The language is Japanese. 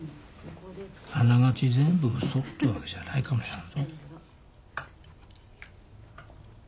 あながち全部ウソってわけじゃないかもしらんぞ。